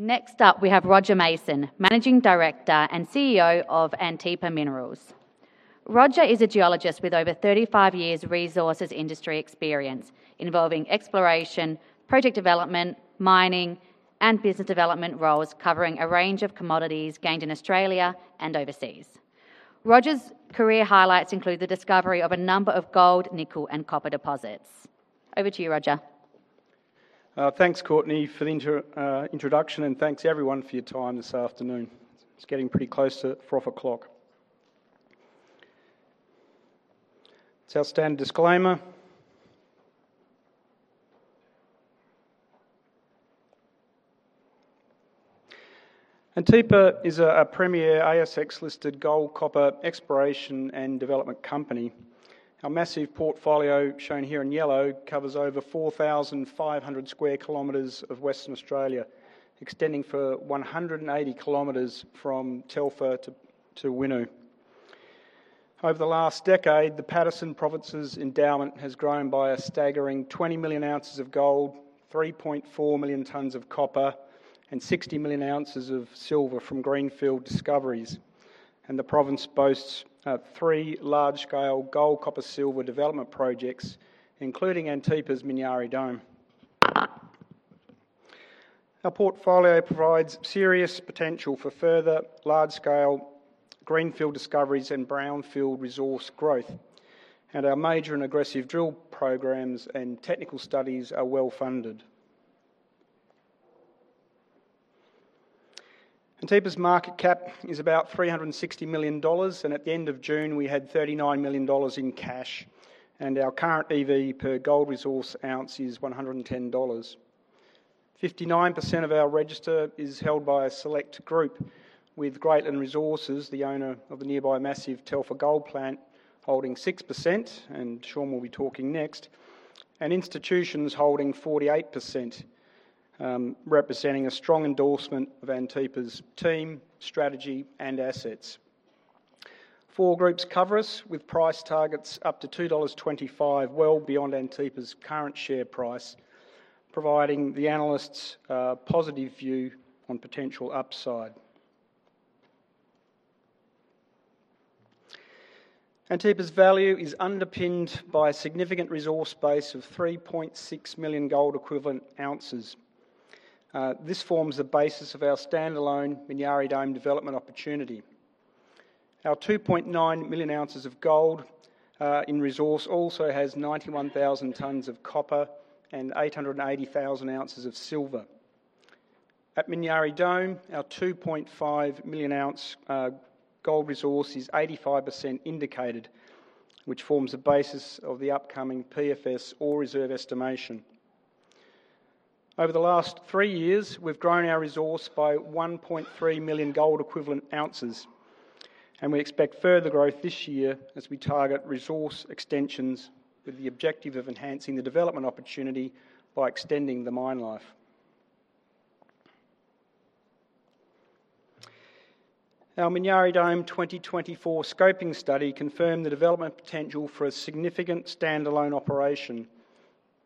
Next up, we have Roger Mason, Managing Director and CEO of Antipa Minerals. Roger is a geologist with over 35 years resources industry experience involving exploration, project development, mining, and business development roles covering a range of commodities gained in Australia and overseas. Roger's career highlights include the discovery of a number of gold, nickel, and copper deposits. Over to you, Roger. Thanks, Courtney, for the introduction. Thanks everyone for your time this afternoon. It's getting pretty close to 4:00 P.M. It's our standard disclaimer. Antipa is a premier ASX-listed gold, copper exploration and development company. Our massive portfolio, shown here in yellow, covers over 4,500 sq km of Western Australia, extending for 180 km from Telfer to Winu. Over the last decade, the Paterson Province's endowment has grown by a staggering 20 million ounces of gold, 3.4 million tons of copper, and 60 million ounces of silver from greenfield discoveries. The province boasts three large-scale gold, copper, silver development projects, including Antipa's Minyari Dome. Our portfolio provides serious potential for further large-scale greenfield discoveries and brownfield resource growth. Our major and aggressive drill programs and technical studies are well-funded. Antipa's market cap is about 360 million dollars. At the end of June, we had 39 million dollars in cash, and our current EV per gold resource ounce is 110 dollars. 59% of our register is held by a select group with Greatland Resources, the owner of the nearby massive Telfer gold plant, holding 6%. Shaun will be talking next. Institutions holding 48%, representing a strong endorsement of Antipa's team, strategy, and assets. Four groups cover us with price targets up to 2.25 dollars, well beyond Antipa's current share price, providing the analysts a positive view on potential upside. Antipa's value is underpinned by a significant resource base of 3.6 million gold equivalent ounces. This forms the basis of our standalone Minyari Dome development opportunity. Our 2.9 million ounces of gold in resource also has 91,000 tons of copper and 880,000 ounces of silver. At Minyari Dome, our 2.5 million ounce gold resource is 85% indicated, which forms the basis of the upcoming PFS ore reserve estimation. Over the last three years, we've grown our resource by 1.3 million gold equivalent ounces. We expect further growth this year as we target resource extensions with the objective of enhancing the development opportunity by extending the mine life. Our Minyari Dome 2024 scoping study confirmed the development potential for a significant standalone operation,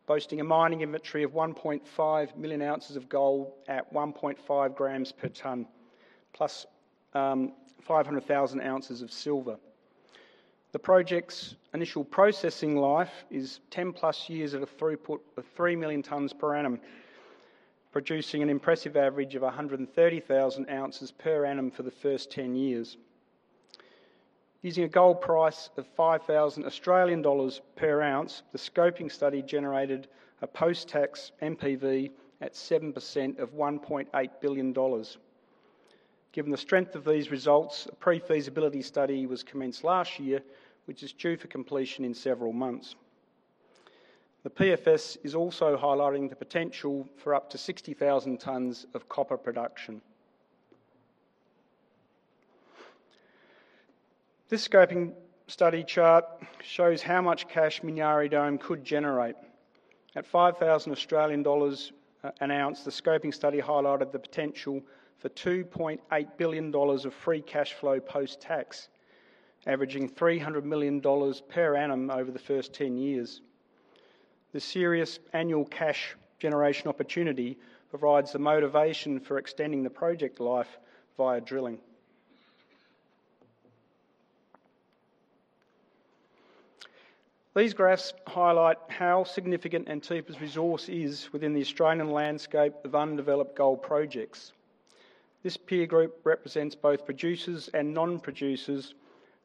boasting a mining inventory of 1.5 million ounces of gold at 1.5 grams per ton, plus 500,000 ounces of silver. The project's initial processing life is 10+ years at a throughput of 3 million tons per annum, producing an impressive average of 130,000 ounces per annum for the first 10 years. Using a gold price of 5,000 Australian dollars per ounce, the scoping study generated a post-tax NPV at 7% of 1.8 billion dollars. Given the strength of these results, a pre-feasibility study was commenced last year, which is due for completion in several months. The PFS is also highlighting the potential for up to 60,000 tons of copper production. This scoping study chart shows how much cash Minyari Dome could generate. At 5,000 Australian dollars an ounce, the scoping study highlighted the potential for 2.8 billion dollars of free cash flow post-tax, averaging 300 million dollars per annum over the first 10 years. The serious annual cash generation opportunity provides the motivation for extending the project life via drilling. These graphs highlight how significant Antipa's resource is within the Australian landscape of undeveloped gold projects. This peer group represents both producers and non-producers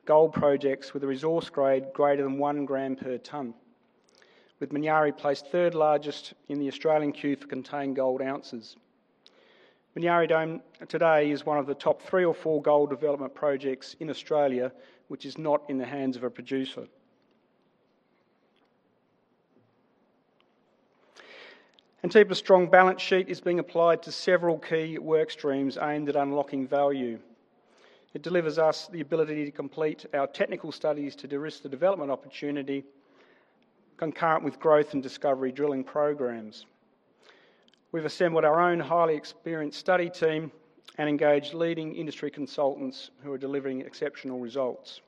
gold projects with a resource grade greater than 1 gram per ton, with Minyari placed third largest in the Australian queue for contained gold ounces. Minyari Dome today is one of the top three or four gold development projects in Australia, which is not in the hands of a producer. Antipa's strong balance sheet is being applied to several key work streams aimed at unlocking value. It delivers us the ability to complete our technical studies to de-risk the development opportunity concurrent with growth and discovery drilling programs. We've assembled our own highly experienced study team and engaged leading industry consultants who are delivering exceptional results.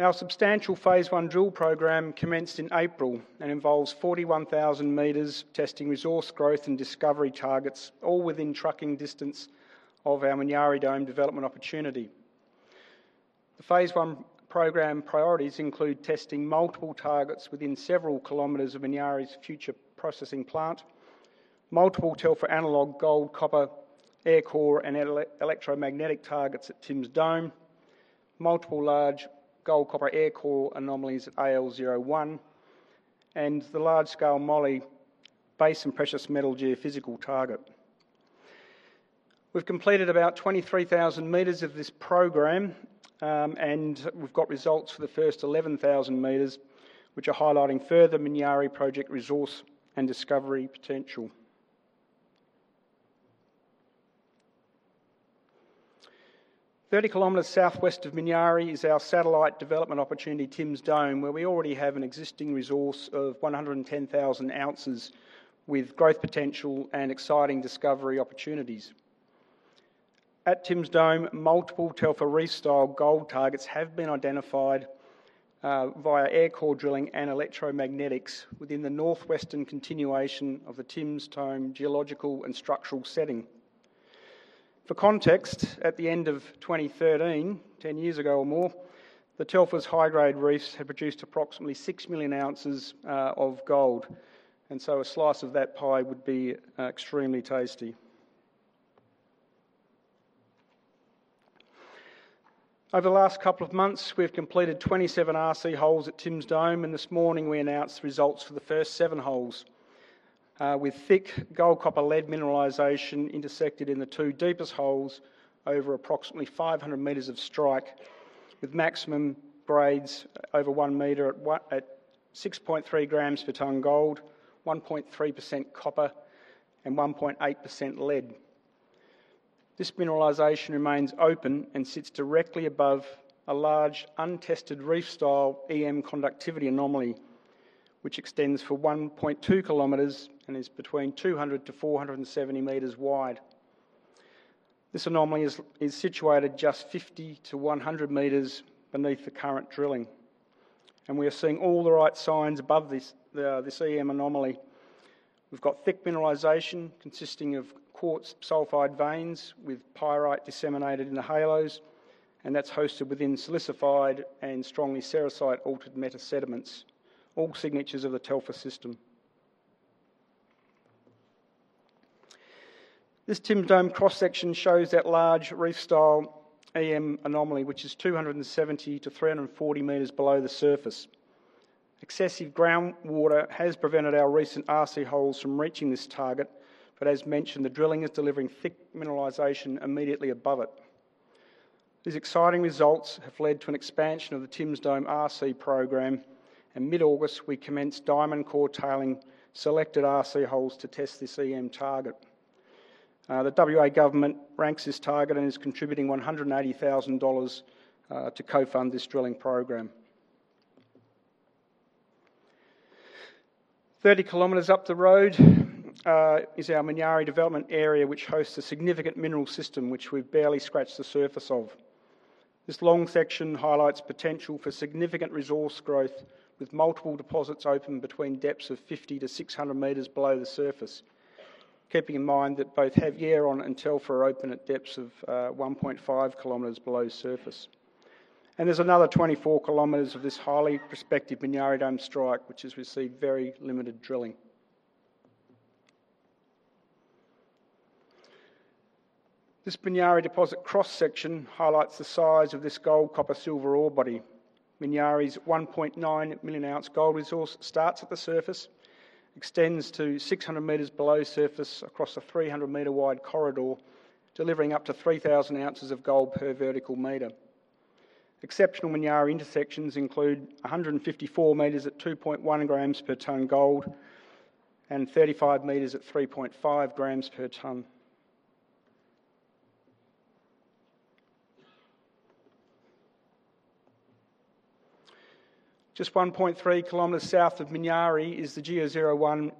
Our substantial phase I drill program commenced in April and involves 41,000 meters testing resource growth and discovery targets all within trucking distance of our Minyari Dome development opportunity. The phase I program priorities include testing multiple targets within several kilometers of Minyari's future processing plant, multiple Telfer analog gold-copper air core and electromagnetic targets at Tim's Dome, multiple large gold-copper air core anomalies at AL01, and the large-scale Mollie base and precious metal geophysical target. We've completed about 23,000 meters of this program, and we've got results for the first 11,000 meters, which are highlighting further Minyari Project resource and discovery potential. 30 km southwest of Minyari is our satellite development opportunity, Tim's Dome, where we already have an existing resource of 110,000 ounces with growth potential and exciting discovery opportunities. At Tim's Dome, multiple Telfer reef style gold targets have been identified via air core drilling and electromagnetics within the northwestern continuation of the Tim's Dome geological and structural setting. For context, at the end of 2013, 10 years ago or more, the Telfer's high-grade reefs had produced approximately 6 million ounces of gold. A slice of that pie would be extremely tasty. Over the last couple of months, we've completed 27 RC holes at Tim's Dome, and this morning we announced results for the first seven holes. With thick gold-copper-lead mineralization intersected in the two deepest holes over approximately 500 meters of strike, with maximum grades over 1 meter at 6.3 grams per ton gold, 1.3% copper, and 1.8% lead. This mineralization remains open and sits directly above a large untested reef style EM conductivity anomaly, which extends for 1.2 km and is between 200-470 meters wide. This anomaly is situated just 50-100 meters beneath the current drilling, and we are seeing all the right signs above this EM anomaly. We've got thick mineralization consisting of quartz sulfide veins with pyrite disseminated in the halos. That's hosted within silicified and strongly sericite altered meta sediments, all signatures of the Telfer system. This Tim's Dome cross-section shows that large reef style EM anomaly, which is 270-340 meters below the surface. Excessive groundwater has prevented our recent RC holes from reaching this target. As mentioned, the drilling is delivering thick mineralization immediately above it. These exciting results have led to an expansion of the Tim's Dome RC program. Mid-August, we commenced diamond core tailing selected RC holes to test this EM target. The WA government ranks this target and is contributing 180,000 dollars to co-fund this drilling program. 30 km up the road is our Minyari development area, which hosts a significant mineral system, which we've barely scratched the surface of. This long section highlights potential for significant resource growth with multiple deposits open between depths of 50-600 meters below the surface. Keeping in mind that both Havieron and Telfer are open at depths of 1.5 km below surface. There's another 24 km of this highly prospective Minyari Dome strike, which has received very limited drilling. This Minyari deposit cross-section highlights the size of this gold-copper-silver ore body. Minyari's 1.9 million ounce gold resource starts at the surface, extends to 600 meters below surface across a 300-meter wide corridor, delivering up to 3,000 ounces of gold per vertical meter. Exceptional Minyari intersections include 154 meters at 2.1 grams per ton gold and 35 meters at 3.5 grams per ton. Just 1.3 km south of Minyari is the GEO-01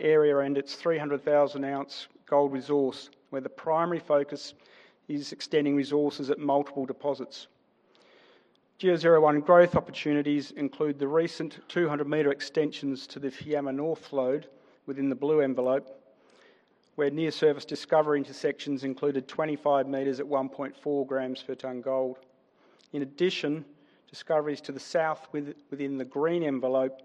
area and its 300,000 ounce gold resource, where the primary focus is extending resources at multiple deposits. GEO-01 growth opportunities include the recent 200-meter extensions to the Fiama North lode within the blue envelope, where near-surface discovery intersections included 25 meters at 1.4 grams per ton gold. In addition, discoveries to the south within the green envelope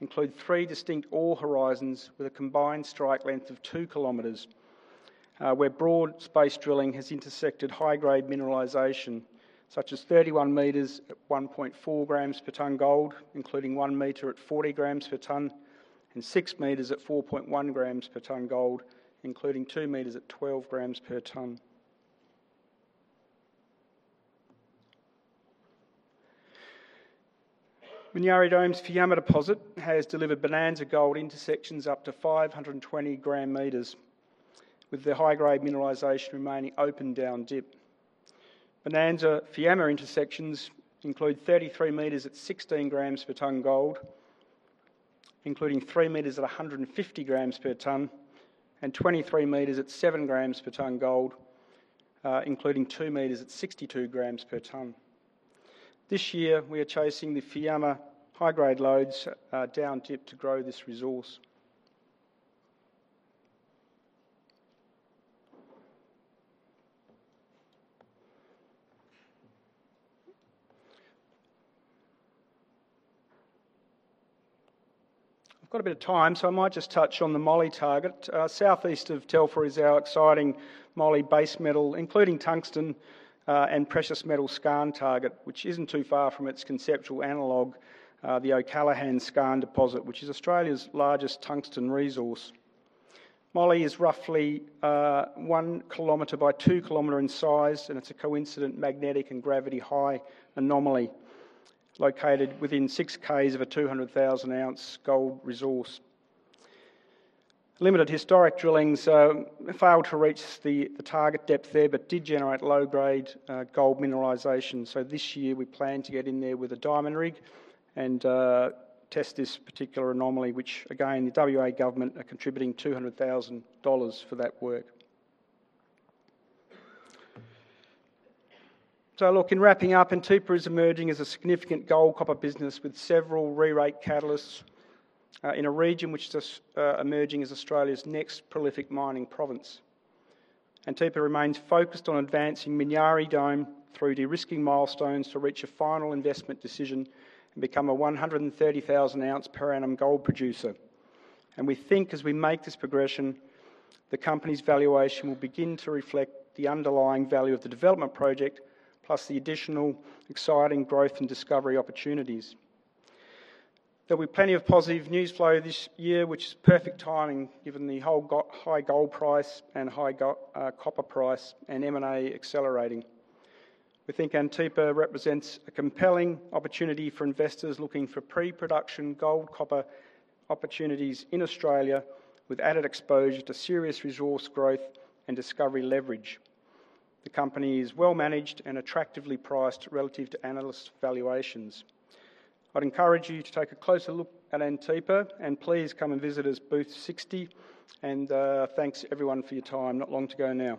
include three distinct ore horizons with a combined strike length of 2 km, where broad space drilling has intersected high-grade mineralization, such as 31 meters at 1.4 grams per ton gold, including 1 meter at 40 grams per ton and six meters at 4.1 grams per ton gold, including 2 meters at 12 grams per ton. Minyari Dome's Fiamma deposit has delivered bonanza gold intersections up to 520 gram-meters, with the high-grade mineralization remaining open down dip. Bonanza Fiamma intersections include 33 meters at 16 grams per ton gold including 3 meters at 150 grams per ton and 23 meters at 7 grams per ton gold, including 2 meters at 62 grams per ton. This year, we are chasing the Fiamma high-grade lodes down dip to grow this resource. I've got a bit of time. I might just touch on the Mollie target. Southeast of Telfer is our exciting Mollie base metal, including tungsten and precious metal skarn target, which isn't too far from its conceptual analog, the O'Callaghans skarn deposit, which is Australia's largest tungsten resource. Mollie is roughly 1 km by 2 km in size. It's a coincident magnetic and gravity high anomaly located within 6 Ks of a 200,000-ounce gold resource. Limited historic drillings failed to reach the target depth there, did generate low-grade gold mineralization. This year, we plan to get in there with a diamond rig and test this particular anomaly, which again, the WA government are contributing 200,000 dollars for that work. Look, in wrapping up, Antipa is emerging as a significant gold-copper business with several re-rate catalysts, in a region which is emerging as Australia's next prolific mining province. Antipa remains focused on advancing Minyari Dome through de-risking milestones to reach a final investment decision and become a 130,000 ounce per annum gold producer. We think as we make this progression, the company's valuation will begin to reflect the underlying value of the development project, plus the additional exciting growth and discovery opportunities. There'll be plenty of positive news flow this year, which is perfect timing given the high gold price and high copper price and M&A accelerating. We think Antipa represents a compelling opportunity for investors looking for pre-production gold-copper opportunities in Australia, with added exposure to serious resource growth and discovery leverage. The company is well-managed and attractively priced relative to analyst valuations. I'd encourage you to take a closer look at Antipa and please come and visit us, booth 60. Thanks everyone for your time. Not long to go now.